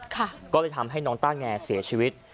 ก็เลยทำให้น้องต้าแงเสียชีวิต